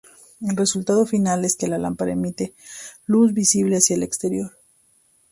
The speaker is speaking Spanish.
El resultado final es que la lámpara emite luz visible hacia el exterior.